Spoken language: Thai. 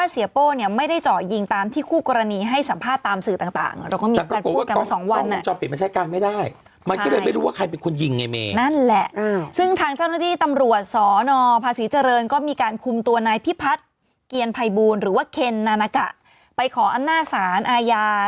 เสเฟอร์หายที่คือมันกู้ไม่ได้ด้วยถูกต้องไหมล่ะ